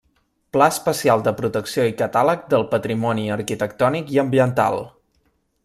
Pla especial de protecció i catàleg del patrimoni arquitectònic i ambiental.